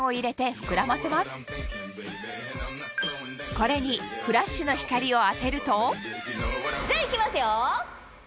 これにフラッシュの光を当てるとじゃいきますよ！